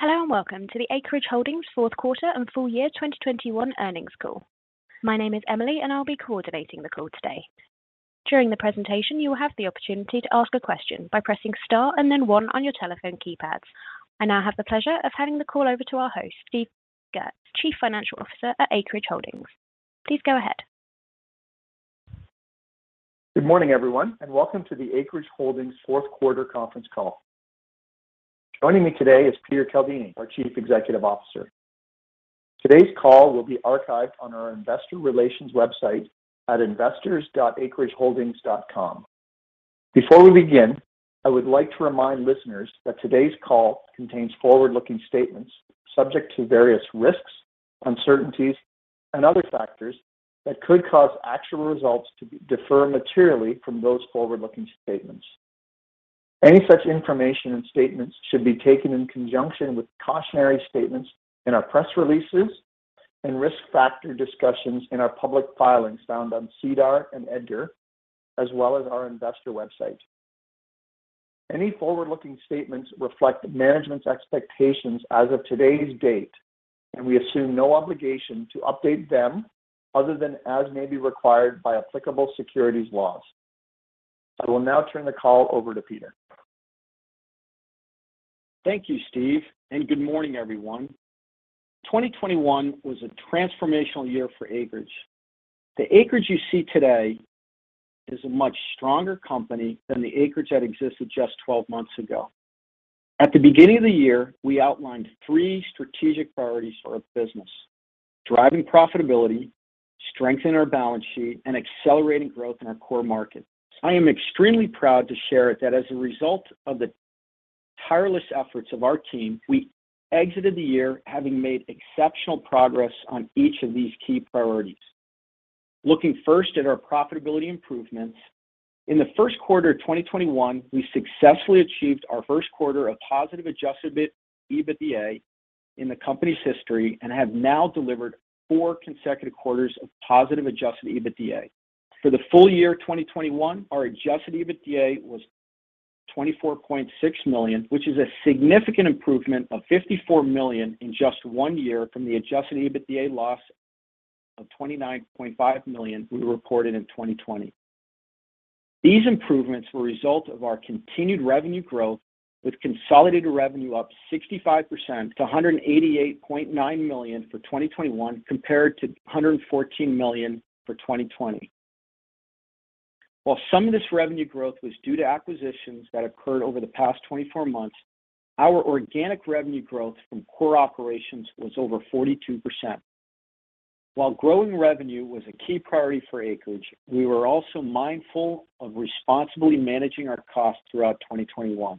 Hello and welcome to the Acreage Holdings fourth quarter and full year 2021 earnings call. My name is Emily, and I'll be coordinating the call today. During the presentation, you will have the opportunity to ask a question by pressing * and then 1 on your telephone keypads. I now have the pleasure of handing the call over to our host, Steven Goertz, Chief Financial Officer at Acreage Holdings. Please go ahead. Good morning, everyone, and welcome to the Acreage Holdings fourth quarter conference call. Joining me today is Peter Caldini, our Chief Executive Officer. Today's call will be archived on our investor relations website at investors.acreageholdings.com. Before we begin, I would like to remind listeners that today's call contains forward-looking statements subject to various risks, uncertainties, and other factors that could cause actual results to differ materially from those forward-looking statements. Any such information and statements should be taken in conjunction with cautionary statements in our press releases and risk factor discussions in our public filings found on SEDAR and EDGAR, as well as our investor website. Any forward-looking statements reflect management's expectations as of today's date, and we assume no obligation to update them other than as may be required by applicable securities laws. I will now turn the call over to Peter. Thank you, Steve, and good morning, everyone. 2021 was a transformational year for Acreage. The Acreage you see today is a much stronger company than the Acreage that existed just 12 months ago. At the beginning of the year, we outlined 3 strategic priorities for our business: driving profitability, strengthening our balance sheet, and accelerating growth in our core markets. I am extremely proud to share that as a result of the tireless efforts of our team, we exited the year having made exceptional progress on each of these key priorities. Looking first at our profitability improvements. In the first quarter of 2021, we successfully achieved our first quarter of positive adjusted EBITDA in the company's history and have now delivered 4 consecutive quarters of positive adjusted EBITDA. For the full year 2021, our adjusted EBITDA was $24.6 million, which is a significant improvement of $54 million in just one year from the adjusted EBITDA loss of $29.5 million we reported in 2020. These improvements were a result of our continued revenue growth, with consolidated revenue up 65% to $188.9 million for 2021 compared to $114 million for 2020. While some of this revenue growth was due to acquisitions that occurred over the past 24 months, our organic revenue growth from core operations was over 42%. While growing revenue was a key priority for Acreage, we were also mindful of responsibly managing our costs throughout 2021.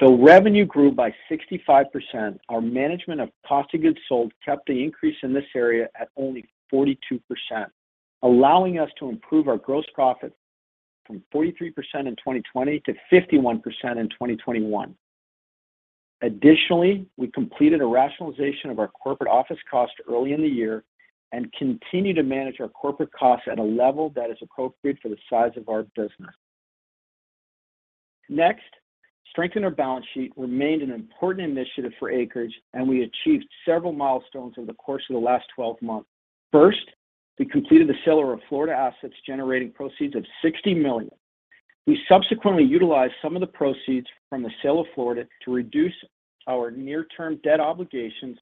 The revenue grew by 65%. Our management of cost of goods sold kept the increase in this area at only 42%, allowing us to improve our gross profit from 43% in 2020 to 51% in 2021. Additionally, we completed a rationalization of our corporate office cost early in the year and continue to manage our corporate costs at a level that is appropriate for the size of our business. Next, strengthen our balance sheet remained an important initiative for Acreage, and we achieved several milestones over the course of the last twelve months. First, we completed the sale of our Florida assets, generating proceeds of $60 million. We subsequently utilized some of the proceeds from the sale of Florida to reduce our near-term debt obligations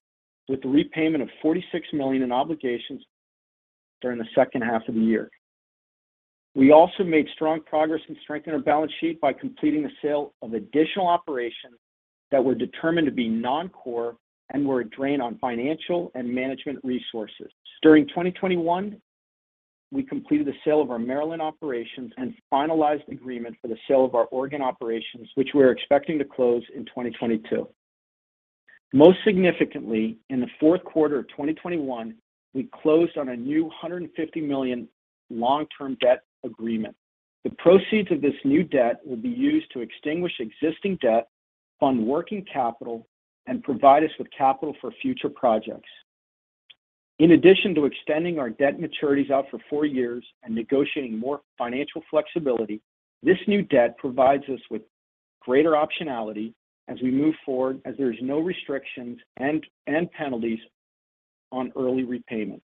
with the repayment of $46 million in obligations during the second half of the year. We also made strong progress in strengthening our balance sheet by completing the sale of additional operations that were determined to be non-core and were a drain on financial and management resources. During 2021, we completed the sale of our Maryland operations and finalized agreement for the sale of our Oregon operations, which we're expecting to close in 2022. Most significantly, in the fourth quarter of 2021, we closed on a new $150 million long-term debt agreement. The proceeds of this new debt will be used to extinguish existing debt, fund working capital, and provide us with capital for future projects. In addition to extending our debt maturities out for 4 years and negotiating more financial flexibility, this new debt provides us with greater optionality as we move forward as there is no restrictions and penalties on early repayment.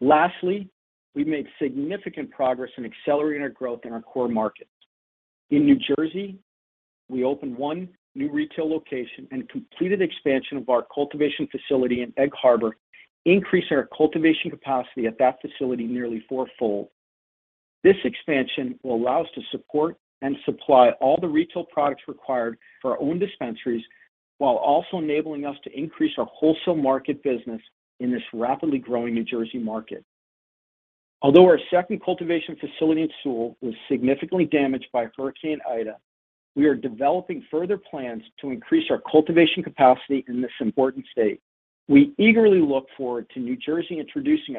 Lastly, we've made significant progress in accelerating our growth in our core markets. In New Jersey, we opened one new retail location and completed expansion of our cultivation facility in Egg Harbor, increasing our cultivation capacity at that facility nearly four-fold. This expansion will allow us to support and supply all the retail products required for our own dispensaries while also enabling us to increase our wholesale market business in this rapidly growing New Jersey market. Although our second cultivation facility in Sewell was significantly damaged by Hurricane Ida, we are developing further plans to increase our cultivation capacity in this important state. We eagerly look forward to New Jersey introducing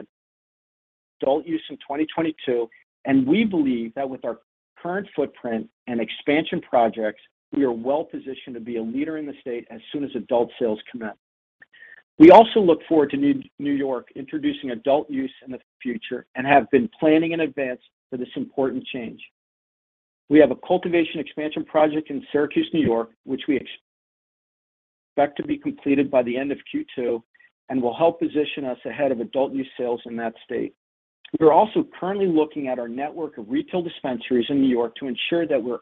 adult use in 2022, and we believe that with our current footprint and expansion projects, we are well-positioned to be a leader in the state as soon as adult sales commence. We also look forward to New York introducing adult use in the future and have been planning in advance for this important change. We have a cultivation expansion project in Syracuse, New York, which we expect to be completed by the end of Q2, and will help position us ahead of adult use sales in that state. We are also currently looking at our network of retail dispensaries in New York to ensure that we're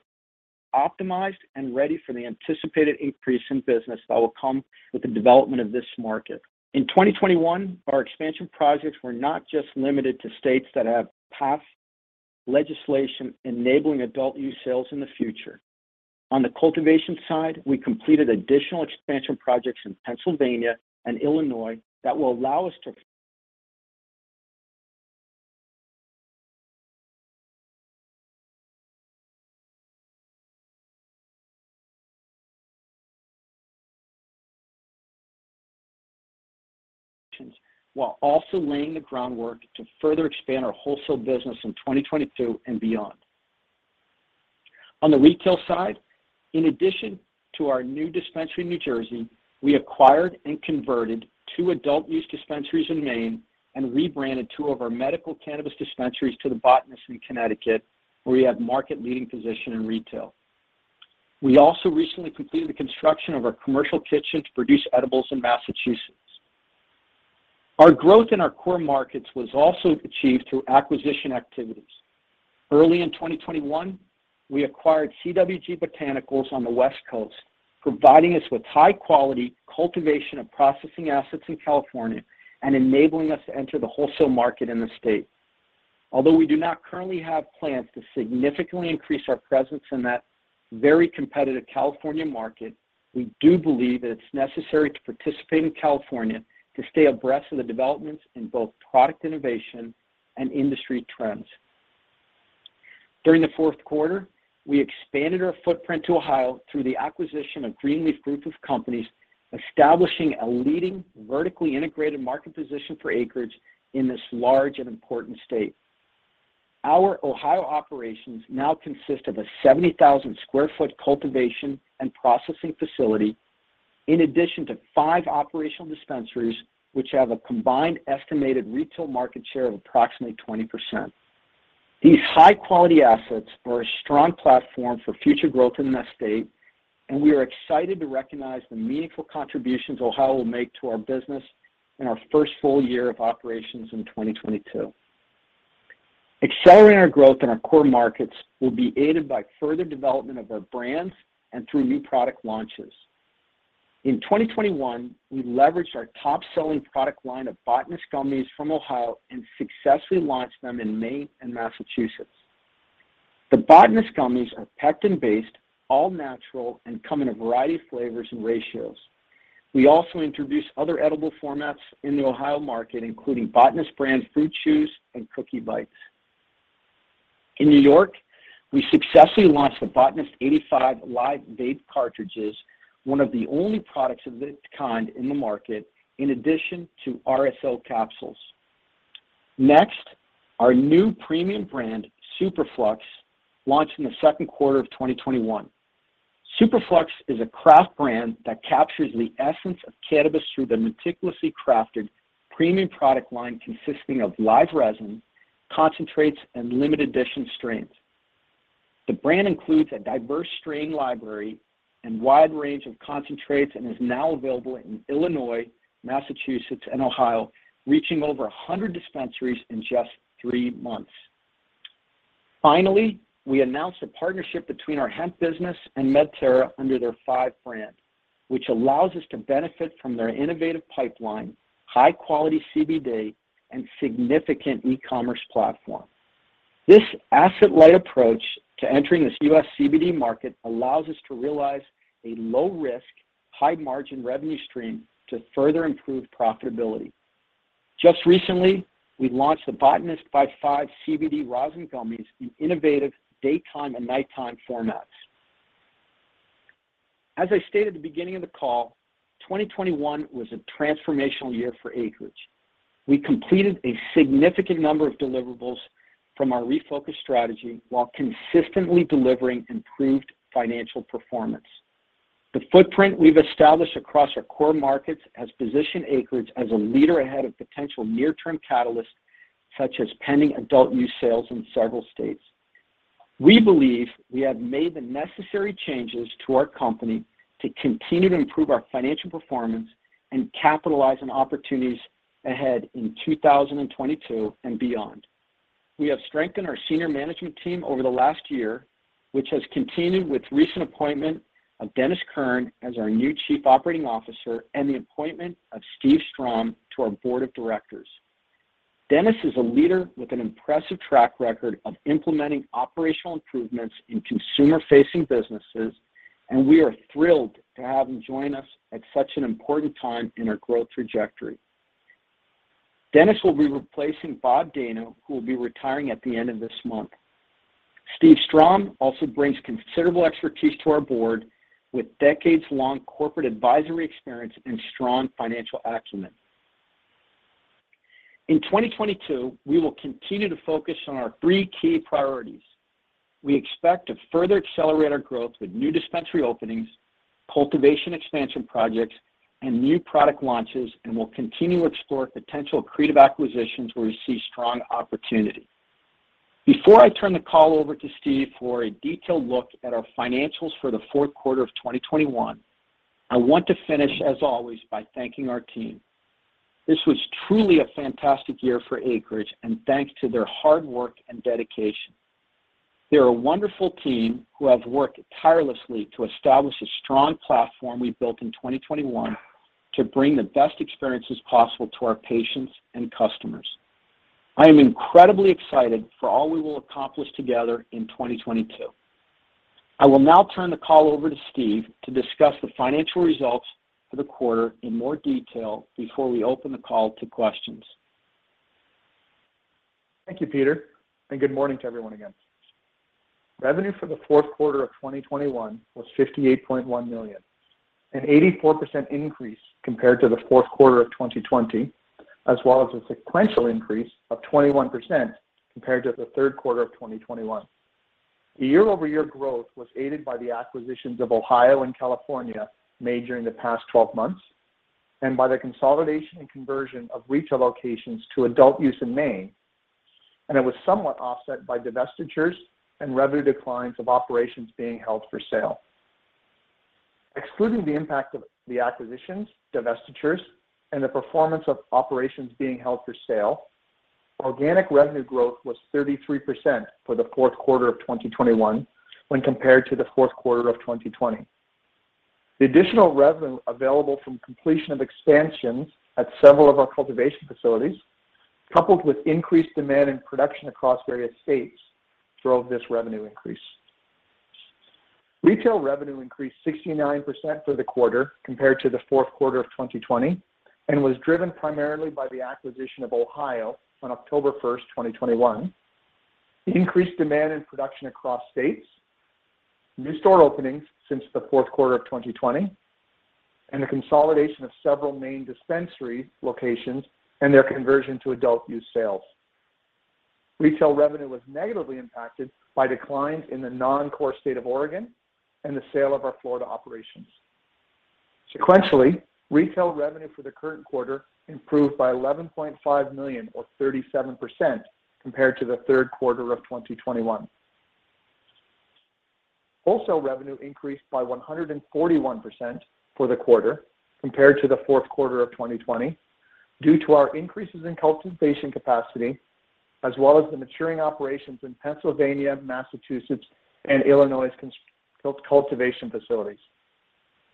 optimized and ready for the anticipated increase in business that will come with the development of this market. In 2021, our expansion projects were not just limited to states that have passed legislation enabling adult use sales in the future. On the cultivation side, we completed additional expansion projects in Pennsylvania and Illinois that will allow us to, while also laying the groundwork to further expand our wholesale business in 2022 and beyond. On the retail side, in addition to our new dispensary in New Jersey, we acquired and converted 2 adult use dispensaries in Maine and rebranded 2 of our medical cannabis dispensaries to The Botanist in Connecticut, where we have market-leading position in retail. We also recently completed the construction of our commercial kitchen to produce edibles in Massachusetts. Our growth in our core markets was also achieved through acquisition activities. Early in 2021, we acquired CWG Botanicals on the West Coast, providing us with high-quality cultivation and processing assets in California and enabling us to enter the wholesale market in the state. Although we do not currently have plans to significantly increase our presence in that very competitive California market, we do believe that it's necessary to participate in California to stay abreast of the developments in both product innovation and industry trends. During the fourth quarter, we expanded our footprint to Ohio through the acquisition of Greenleaf Apothecaries, establishing a leading vertically integrated market position for Acreage in this large and important state. Our Ohio operations now consist of a 70,000 sq ft cultivation and processing facility, in addition to five operational dispensaries, which have a combined estimated retail market share of approximately 20%. These high-quality assets are a strong platform for future growth in that state, and we are excited to recognize the meaningful contributions Ohio will make to our business in our first full year of operations in 2022. Accelerating our growth in our core markets will be aided by further development of our brands and through new product launches. In 2021, we leveraged our top-selling product line of The Botanist Gummies from Ohio and successfully launched them in Maine and Massachusetts. The Botanist Gummies are pectin-based, all-natural, and come in a variety of flavors and ratios. We also introduced other edible formats in the Ohio market, including The Botanist Fruit Chews and cookie bites. In New York, we successfully launched The Botanist 85 LIVE vape cartridges, one of the only products of its kind in the market, in addition to RSO capsules. Next, our new premium brand, Superflux, launched in the second quarter of 2021. Superflux is a craft brand that captures the essence of cannabis through the meticulously crafted premium product line consisting of live resin, concentrates, and limited edition strains. The brand includes a diverse strain library and wide range of concentrates, and is now available in Illinois, Massachusetts, and Ohio, reaching over 100 dispensaries in just 3 months. Finally, we announced a partnership between our hemp business and Medterra under their five brand, which allows us to benefit from their innovative pipeline, high-quality CBD, and significant e-commerce platform. This asset-light approach to entering this U.S. CBD market allows us to realize a low risk, high margin revenue stream to further improve profitability. Just recently, we launched The Botanist x five CBD Rosin Gummies in innovative daytime and nighttime formats. As I stated at the beginning of the call, 2021 was a transformational year for Acreage. We completed a significant number of deliverables from our refocused strategy while consistently delivering improved financial performance. The footprint we've established across our core markets has positioned Acreage as a leader ahead of potential near-term catalysts, such as pending adult use sales in several states. We believe we have made the necessary changes to our company to continue to improve our financial performance and capitalize on opportunities ahead in 2022 and beyond. We have strengthened our senior management team over the last year, which has continued with recent appointment of Dennis Curran as our new Chief Operating Officer and the appointment of Steven Strom to our Board of Directors. Dennis is a leader with an impressive track record of implementing operational improvements in consumer-facing businesses, and we are thrilled to have him join us at such an important time in our growth trajectory. Dennis will be replacing Bob Daino, who will be retiring at the end of this month. Steve Strom also brings considerable expertise to our board with decades-long corporate advisory experience and strong financial acumen. In 2022, we will continue to focus on our three key priorities. We expect to further accelerate our growth with new dispensary openings, cultivation expansion projects, and new product launches, and we'll continue to explore potential accretive acquisitions where we see strong opportunity. Before I turn the call over to Steve for a detailed look at our financials for the fourth quarter of 2021, I want to finish, as always, by thanking our team. This was truly a fantastic year for Acreage, and thanks to their hard work and dedication. They're a wonderful team who have worked tirelessly to establish a strong platform we built in 2021 to bring the best experiences possible to our patients and customers. I am incredibly excited for all we will accomplish together in 2022. I will now turn the call over to Steve to discuss the financial results for the quarter in more detail before we open the call to questions. Thank you, Peter, and good morning to everyone again. Revenue for the fourth quarter of 2021 was $58.1 million, an 84% increase compared to the fourth quarter of 2020, as well as a sequential increase of 21% compared to the third quarter of 2021. Year-over-year growth was aided by the acquisitions of Ohio and California made during the past 12 months and by the consolidation and conversion of retail locations to adult use in Maine, and it was somewhat offset by divestitures and revenue declines of operations being held for sale. Excluding the impact of the acquisitions, divestitures, and the performance of operations being held for sale, organic revenue growth was 33% for the fourth quarter of 2021 when compared to the fourth quarter of 2020. The additional revenue available from completion of expansions at several of our cultivation facilities, coupled with increased demand in production across various states, drove this revenue increase. Retail revenue increased 69% for the quarter compared to the fourth quarter of 2020 and was driven primarily by the acquisition of Ohio on October 1, 2021, the increased demand in production across states, new store openings since the fourth quarter of 2020, and the consolidation of several Maine dispensary locations and their conversion to adult-use sales. Retail revenue was negatively impacted by declines in the non-core state of Oregon and the sale of our Florida operations. Sequentially, retail revenue for the current quarter improved by $11.5 million or 37% compared to the third quarter of 2021. Wholesale revenue increased by 141% for the quarter compared to the fourth quarter of 2020 due to our increases in cultivation capacity as well as the maturing operations in Pennsylvania, Massachusetts, and Illinois's cultivation facilities,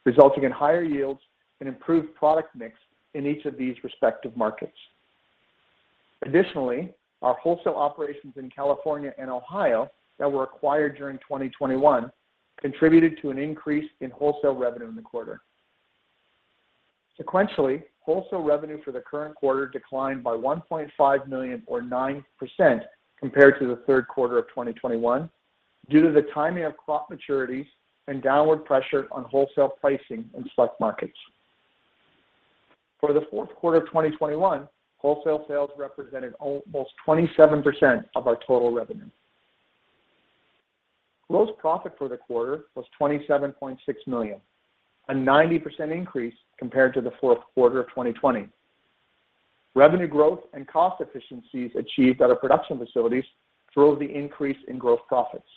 resulting in higher yields and improved product mix in each of these respective markets. Additionally, our wholesale operations in California and Ohio that were acquired during 2021 contributed to an increase in wholesale revenue in the quarter. Sequentially, wholesale revenue for the current quarter declined by $1.5 million or 9% compared to the third quarter of 2021 due to the timing of crop maturities and downward pressure on wholesale pricing in select markets. For the fourth quarter of 2021, wholesale sales represented almost 27% of our total revenue. Gross profit for the quarter was $27.6 million, a 90% increase compared to the fourth quarter of 2020. Revenue growth and cost efficiencies achieved at our production facilities drove the increase in gross profits.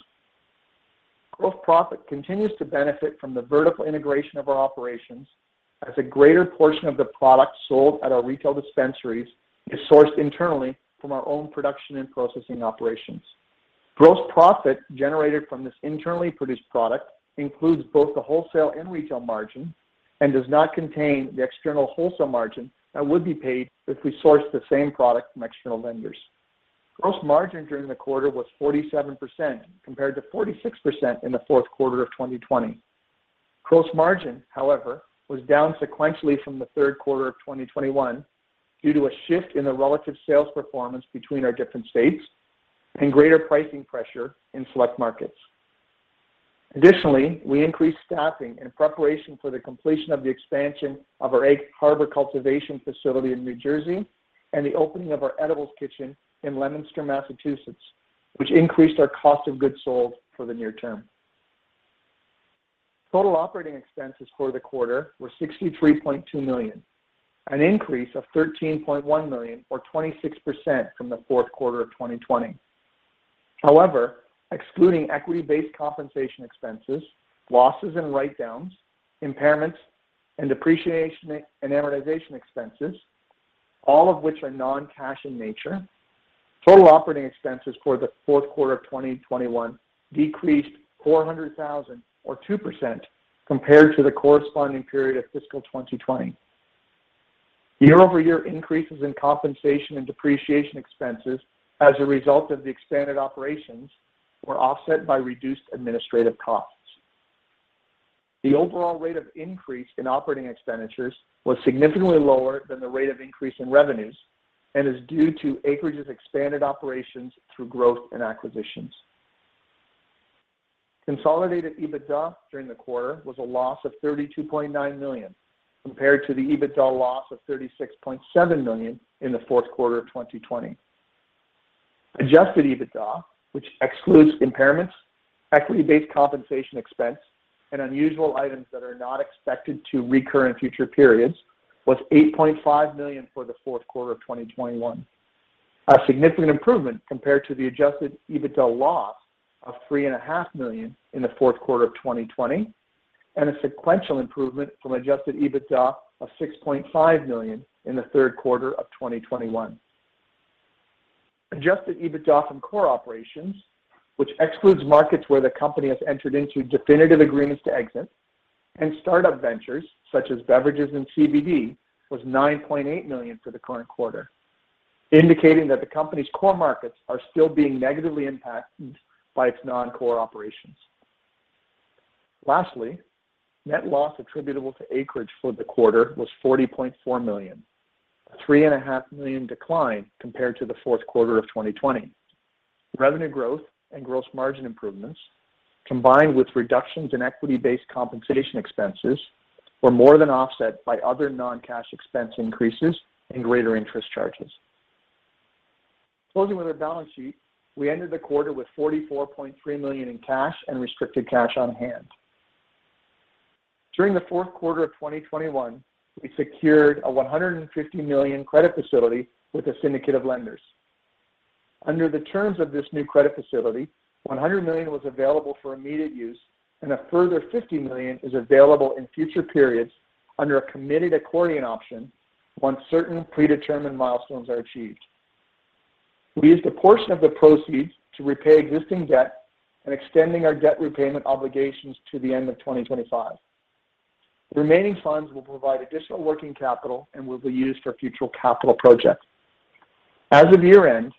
Gross profit continues to benefit from the vertical integration of our operations as a greater portion of the product sold at our retail dispensaries is sourced internally from our own production and processing operations. Gross profit generated from this internally produced product includes both the wholesale and retail margin and does not contain the external wholesale margin that would be paid if we sourced the same product from external vendors. Gross margin during the quarter was 47%, compared to 46% in the fourth quarter of 2020. Gross margin, however, was down sequentially from the third quarter of 2021 due to a shift in the relative sales performance between our different states and greater pricing pressure in select markets. Additionally, we increased staffing in preparation for the completion of the expansion of our Egg Harbor cultivation facility in New Jersey and the opening of our edibles kitchen in Leominster, Massachusetts, which increased our cost of goods sold for the near term. Total operating expenses for the quarter were $63.2 million, an increase of $13.1 million or 26% from the fourth quarter of 2020. However, excluding equity-based compensation expenses, losses and write-downs, impairments, and depreciation and amortization expenses, all of which are non-cash in nature, total operating expenses for the fourth quarter of 2021 decreased $400,000 or 2% compared to the corresponding period of fiscal 2020. Year-over-year increases in compensation and depreciation expenses as a result of the expanded operations were offset by reduced administrative costs. The overall rate of increase in operating expenditures was significantly lower than the rate of increase in revenues and is due to Acreage's expanded operations through growth and acquisitions. Consolidated EBITDA during the quarter was a loss of $32.9 million, compared to the EBITDA loss of $36.7 million in the fourth quarter of 2020. Adjusted EBITDA, which excludes impairments, equity-based compensation expense, and unusual items that are not expected to recur in future periods, was $8.5 million for the fourth quarter of 2021, a significant improvement compared to the adjusted EBITDA loss of $3.5 million in the fourth quarter of 2020 and a sequential improvement from adjusted EBITDA of $6.5 million in the third quarter of 2021. Adjusted EBITDA from core operations, which excludes markets where the company has entered into definitive agreements to exit and start-up ventures such as beverages and CBD, was $9.8 million for the current quarter, indicating that the company's core markets are still being negatively impacted by its non-core operations. Lastly, net loss attributable to Acreage for the quarter was $40.4 million, a $3.5 million decline compared to the fourth quarter of 2020. Revenue growth and gross margin improvements, combined with reductions in equity-based compensation expenses, were more than offset by other non-cash expense increases and greater interest charges. Closing with our balance sheet, we ended the quarter with $44.3 million in cash and restricted cash on hand. During the fourth quarter of 2021, we secured a $150 million credit facility with a syndicate of lenders. Under the terms of this new credit facility, $100 million was available for immediate use, and a further $50 million is available in future periods under a committed accordion option once certain predetermined milestones are achieved. We used a portion of the proceeds to repay existing debt and extend our debt repayment obligations to the end of 2025. The remaining funds will provide additional working capital and will be used for future capital projects. As of year-end,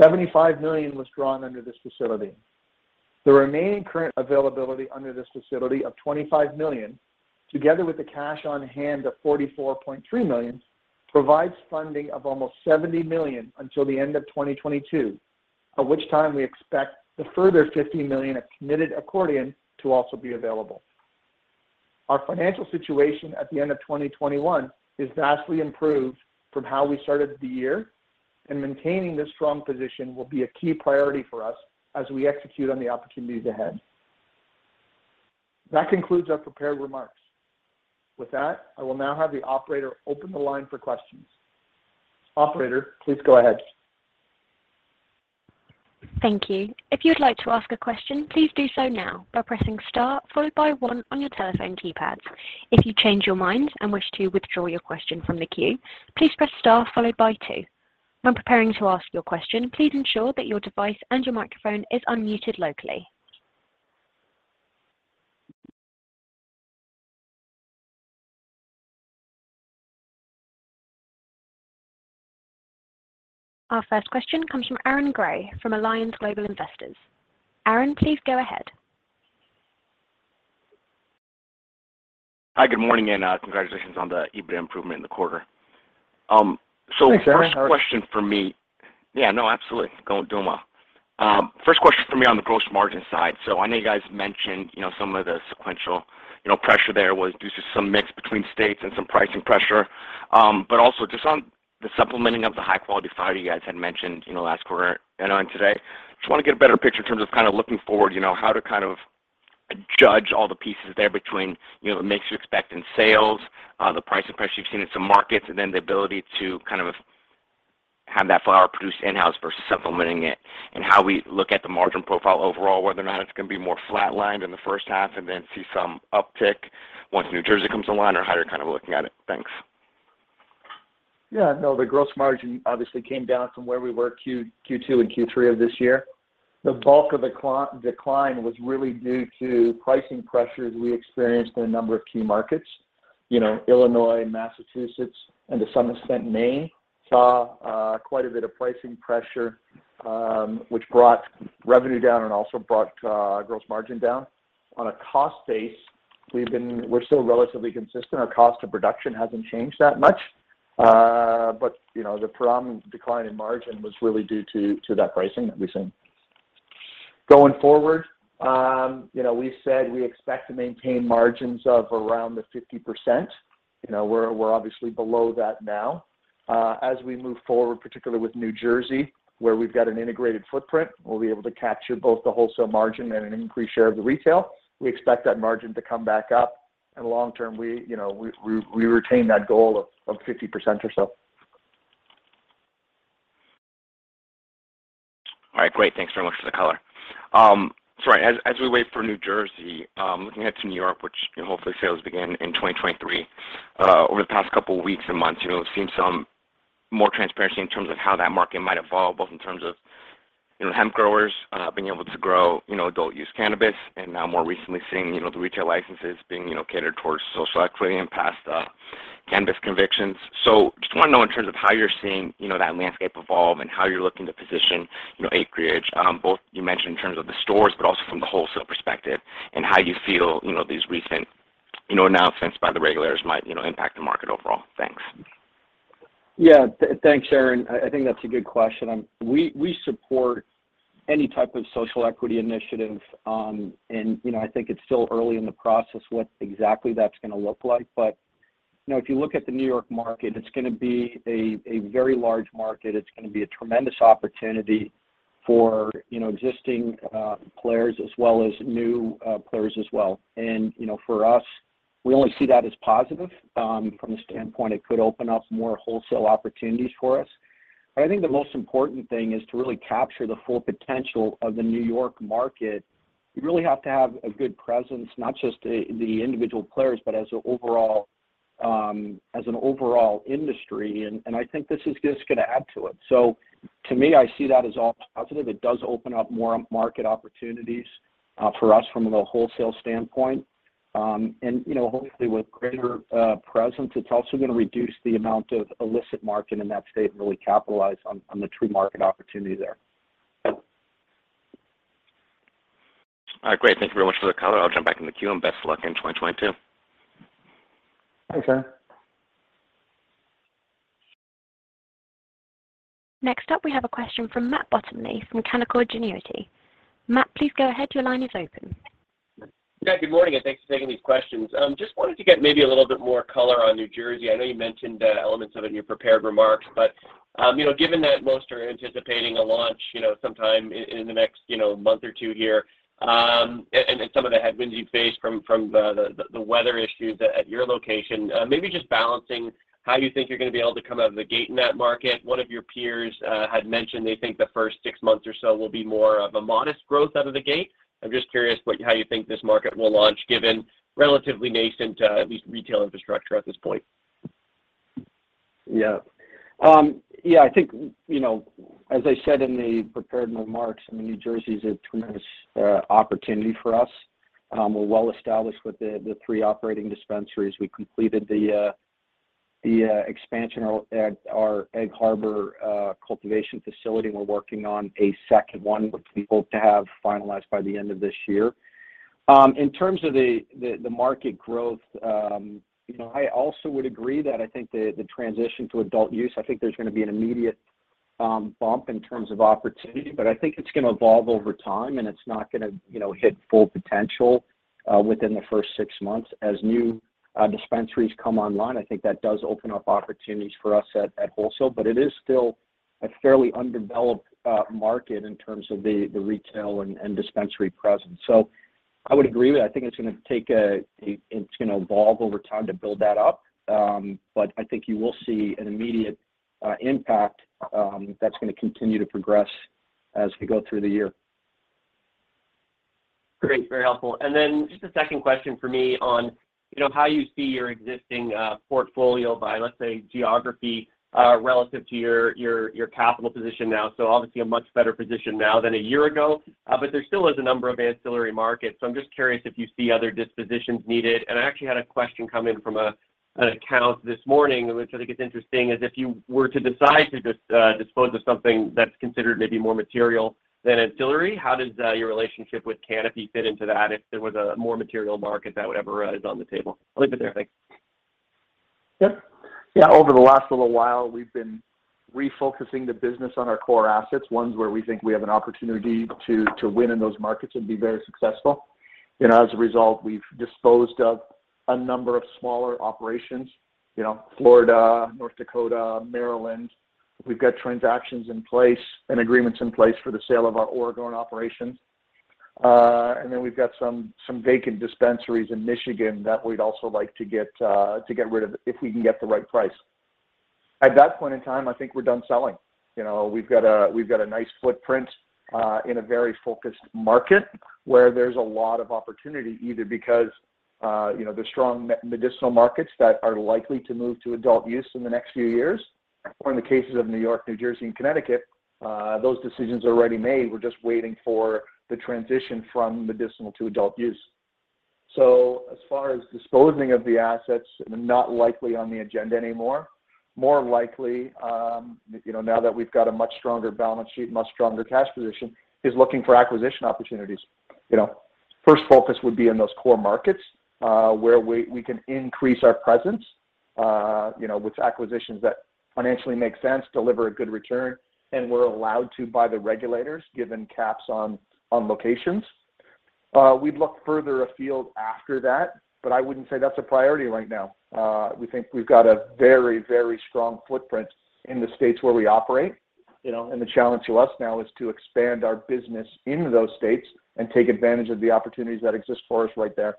$75 million was drawn under this facility. The remaining current availability under this facility of $25 million, together with the cash on hand of $44.3 million, provides funding of almost $70 million until the end of 2022, at which time we expect the further $50 million of committed accordion to also be available. Our financial situation at the end of 2021 is vastly improved from how we started the year, and maintaining this strong position will be a key priority for us as we execute on the opportunities ahead. That concludes our prepared remarks. With that, I will now have the operator open the line for questions. Operator, please go ahead. Thank you. If you'd like to ask a question, please do so now by pressing * followed by 1 on your telephone keypads. If you change your mind and wish to withdraw your question from the queue, please press * followed by 2. When preparing to ask your question, please ensure that your device and your microphone is unmuted locally. Our first question comes from Aaron Grey from Alliance Global Partners. Aaron, please go ahead. Hi, good morning, and congratulations on the EBITDA improvement in the quarter. First question for me. Thanks, Aaron. How are you? Yeah, no, absolutely. Go Duma. First question for me on the gross margin side. I know you guys mentioned, you know, some of the sequential, you know, pressure there was due to some mix between states and some pricing pressure. Also just on the supplementing of the high-quality flower you guys had mentioned in the last quarter and on today, just want to get a better picture in terms of kind of looking forward, you know, how to kind of judge all the pieces there between, you know, the mix you expect in sales, the pricing pressure you've seen in some markets, and then the ability to kind of have that flower produced in-house versus supplementing it, and how we look at the margin profile overall, whether or not it's going to be more flatlined in the first half and then see some uptick once New Jersey comes online, or how you're kind of looking at it. Thanks. Yeah, no, the gross margin obviously came down from where we were Q2 and Q3 of this year. The bulk of the decline was really due to pricing pressures we experienced in a number of key markets. You know, Illinois, Massachusetts, and to some extent Maine saw quite a bit of pricing pressure, which brought revenue down and also brought gross margin down. On a cost base, we've been, we're still relatively consistent. Our cost of production hasn't changed that much. But, you know, the prominent decline in margin was really due to that pricing that we've seen. Going forward, you know, we said we expect to maintain margins of around the 50%. You know, we're obviously below that now. As we move forward, particularly with New Jersey, where we've got an integrated footprint, we'll be able to capture both the wholesale margin and an increased share of the retail. We expect that margin to come back up. Long term, we, you know, retain that goal of 50% or so. All right, great. Thanks very much for the color. As we wait for New Jersey, looking ahead to New York, which, you know, hopefully sales begin in 2023, over the past couple of weeks and months, you know, we've seen some more transparency in terms of how that market might evolve, both in terms of, you know, hemp growers being able to grow, you know, adult use cannabis, and now more recently seeing, you know, the retail licenses being, you know, catered towards social equity and past cannabis convictions. Just want to know in terms of how you're seeing, you know, that landscape evolve and how you're looking to position, you know, Acreage, both you mentioned in terms of the stores, but also from the wholesale perspective, and how you feel, you know, these recent, you know, announcements by the regulators might, you know, impact the market overall? Thanks. Yeah. Thanks, Aaron. I think that's a good question. We support any type of social equity initiative. You know, I think it's still early in the process what exactly that's gonna look like. You know, if you look at the New York market, it's gonna be a very large market. It's gonna be a tremendous opportunity for, you know, existing players as well as new players as well. You know, for us, we only see that as positive, from the standpoint it could open up more wholesale opportunities for us. I think the most important thing is to really capture the full potential of the New York market, you really have to have a good presence, not just the individual players, but as an overall industry. I think this is just gonna add to it. To me, I see that as all positive. It does open up more market opportunities for us from a wholesale standpoint. You know, hopefully with greater presence, it's also gonna reduce the amount of illicit market in that state and really capitalize on the true market opportunity there. All right. Great. Thank you very much for the color. I'll jump back in the queue, and best of luck in 2022. Thanks, Aaron. Next up we have a question from Matt Bottomley from Canaccord Genuity. Matt, please go ahead. Your line is open. Yeah, good morning, and thanks for taking these questions. Just wanted to get maybe a little bit more color on New Jersey. I know you mentioned elements of it in your prepared remarks, but you know, given that most are anticipating a launch, you know, sometime in the next, you know, month or two here, and some of the headwinds you faced from the weather issues at your location, maybe just balancing how you think you're gonna be able to come out of the gate in that market. One of your peers had mentioned they think the first six months or so will be more of a modest growth out of the gate. I'm just curious how you think this market will launch given relatively nascent, at least retail infrastructure at this point. Yeah. Yeah, I think, you know, as I said in the prepared remarks, I mean, New Jersey's a tremendous opportunity for us. We're well established with the three operating dispensaries. We completed the expansion at our Egg Harbor cultivation facility, and we're working on a second one, which we hope to have finalized by the end of this year. In terms of the market growth, you know, I also would agree that I think the transition to adult use, I think there's gonna be an immediate bump in terms of opportunity. I think it's gonna evolve over time, and it's not gonna, you know, hit full potential within the first six months. As new dispensaries come online, I think that does open up opportunities for us at wholesale, but it is still a fairly undeveloped market in terms of the retail and dispensary presence. I would agree with you. I think it's gonna evolve over time to build that up. I think you will see an immediate impact that's gonna continue to progress as we go through the year. Great. Very helpful. Just a second question from me on, you know, how you see your existing portfolio by, let's say, geography relative to your capital position now. Obviously a much better position now than a year ago, but there still is a number of ancillary markets, so I'm just curious if you see other dispositions needed. I actually had a question come in from an account this morning, which I think is interesting, is if you were to decide to dispose of something that's considered maybe more material than ancillary, how does your relationship with Canopy fit into that if there was a more material market that would ever rise on the table? I'll leave it there. Thanks. Sure. Yeah. Over the last little while, we've been refocusing the business on our core assets, ones where we think we have an opportunity to win in those markets and be very successful. You know, as a result, we've disposed of a number of smaller operations. You know, Florida, North Dakota, Maryland. We've got transactions in place and agreements in place for the sale of our Oregon operation. We've got some vacant dispensaries in Michigan that we'd also like to get rid of if we can get the right price. At that point in time, I think we're done selling. You know, we've got a nice footprint in a very focused market where there's a lot of opportunity either because you know, the strong medicinal markets that are likely to move to adult use in the next few years, or in the cases of New York, New Jersey, and Connecticut, those decisions are already made. We're just waiting for the transition from medicinal to adult use. As far as disposing of the assets, not likely on the agenda anymore. More likely, now that we've got a much stronger balance sheet, much stronger cash position, is looking for acquisition opportunities. You know, first focus would be in those core markets, where we can increase our presence, you know, with acquisitions that financially make sense, deliver a good return, and we're allowed to by the regulators, given caps on locations. We'd look further afield after that, but I wouldn't say that's a priority right now. We think we've got a very, very strong footprint in the states where we operate, you know, and the challenge to us now is to expand our business into those states and take advantage of the opportunities that exist for us right there.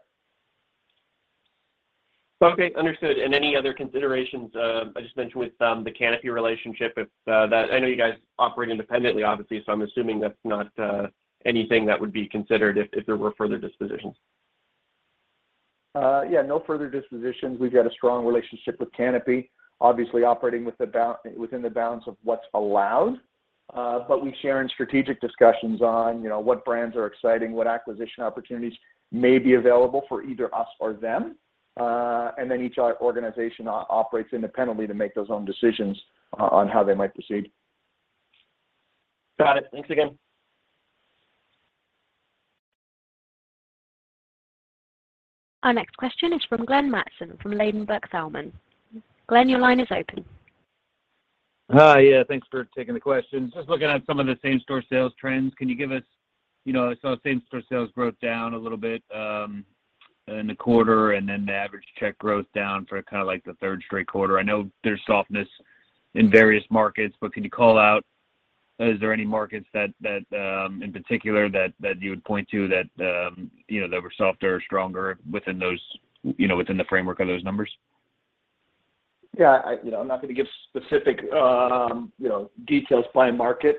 Okay. Understood. Any other considerations I just mentioned with the Canopy relationship. I know you guys operate independently obviously, so I'm assuming that's not anything that would be considered if there were further dispositions. Yeah, no further dispositions. We've got a strong relationship with Canopy, obviously operating within the bounds of what's allowed. But we share in strategic discussions on, you know, what brands are exciting, what acquisition opportunities may be available for either us or them, and then each organization operates independently to make their own decisions on how they might proceed. Got it. Thanks again. Our next question is from Glenn Mattson from Ladenburg Thalmann. Glenn, your line is open. Hi. Yeah, thanks for taking the question. Just looking at some of the same-store sales trends. Can you give us. You know, I saw same-store sales growth down a little bit in the quarter, and then the average check growth down for kind of like the third straight quarter. I know there's softness in various markets, but could you call out is there any markets that in particular that you would point to that you know, that were softer or stronger within those, you know, within the framework of those numbers? Yeah. I, you know, I'm not gonna give specific, you know, details by market.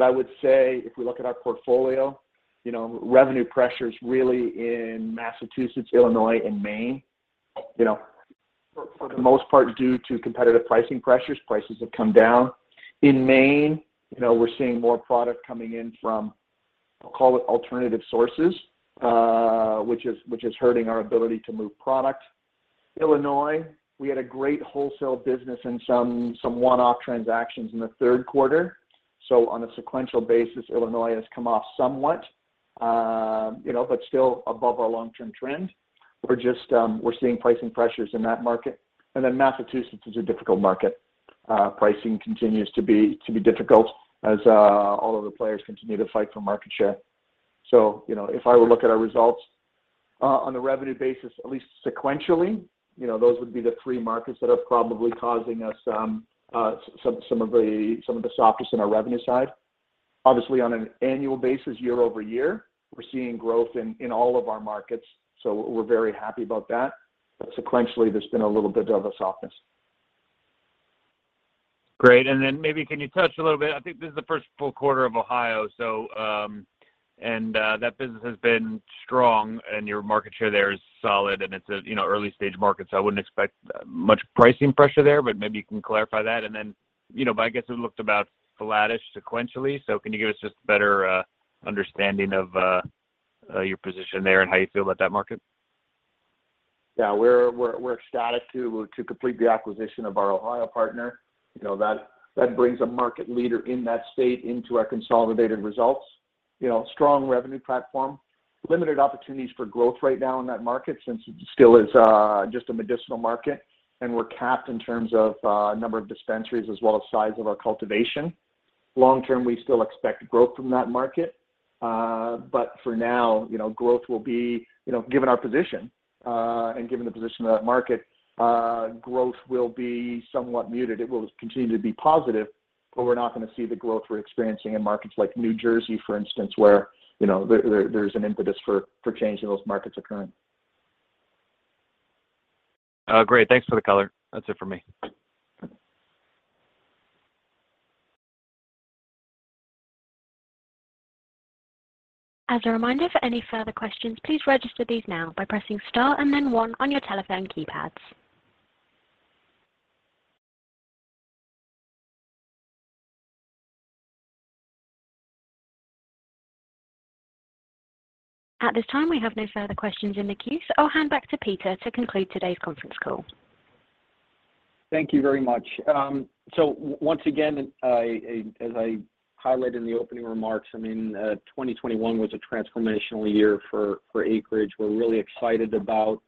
I would say if we look at our portfolio, you know, revenue pressure's really in Massachusetts, Illinois, and Maine, you know, for the most part, due to competitive pricing pressures. Prices have come down. In Maine, you know, we're seeing more product coming in from, I'll call it alternative sources, which is hurting our ability to move product. Illinois, we had a great wholesale business and some one-off transactions in the third quarter. On a sequential basis, Illinois has come off somewhat, you know, but still above our long-term trend. We're just seeing pricing pressures in that market. Massachusetts is a difficult market. Pricing continues to be difficult as all of the players continue to fight for market share. You know, if I were to look at our results on a revenue basis, at least sequentially, you know, those would be the three markets that are probably causing us some of the softness in our revenue side. Obviously, on an annual basis, year-over-year, we're seeing growth in all of our markets, so we're very happy about that. Sequentially, there's been a little bit of a softness. Great. Maybe can you touch a little bit. I think this is the first full quarter of Ohio, so that business has been strong, and your market share there is solid, and it's a, you know, early stage market, so I wouldn't expect much pricing pressure there. Maybe you can clarify that. You know, my guess is it looked about flattish sequentially, so can you give us just a better understanding of your position there and how you feel about that market? Yeah. We're ecstatic to complete the acquisition of our Ohio partner. You know, that brings a market leader in that state into our consolidated results. You know, strong revenue platform. Limited opportunities for growth right now in that market since it still is just a medicinal market, and we're capped in terms of number of dispensaries as well as size of our cultivation. Long term, we still expect growth from that market. But for now, you know, growth will be, you know, given our position and given the position of that market, growth will be somewhat muted. It will continue to be positive, but we're not gonna see the growth we're experiencing in markets like New Jersey, for instance, where, you know, there's an impetus for change in those markets occurring. Great. Thanks for the color. That's it for me. As a reminder, for any further questions, please register these now by pressing * and then 1 on your telephone keypads. At this time, we have no further questions in the queue, so I'll hand back to Peter to conclude today's conference call. Thank you very much. So once again, as I highlighted in the opening remarks, I mean, 2021 was a transformational year for Acreage. We're really excited about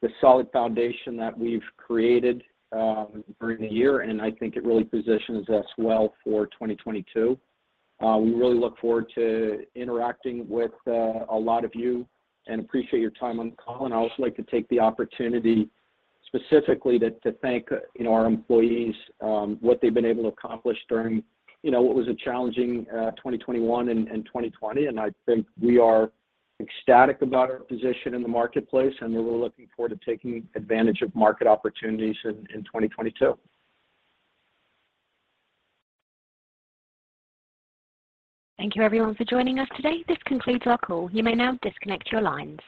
the solid foundation that we've created during the year, and I think it really positions us well for 2022. We really look forward to interacting with a lot of you and appreciate your time on the call, and I'd also like to take the opportunity specifically to thank our employees for what they've been able to accomplish during what was a challenging 2021 and 2020, and I think we are ecstatic about our position in the marketplace, and we're looking forward to taking advantage of market opportunities in 2022. Thank you everyone for joining us today. This concludes our call. You may now disconnect your lines.